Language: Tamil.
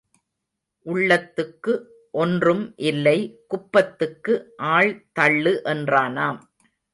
உள்ளத்துக்கு ஒன்றும் இல்லை குப்பத்துக்கு ஆள் தள்ளு என்றானாம்.